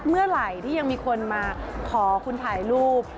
เมื่อไหร่ที่ยังมีคนมาขอคุณถ่ายรูป